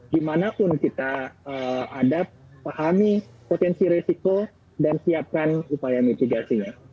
dimanapun kita ada pahami potensi resiko dan siapkan upaya mitigasinya